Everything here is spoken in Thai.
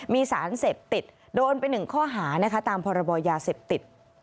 มีสารเสพติดโดนเป็นหนึ่งข้อหานะคะตามพรบอยยาเสพติด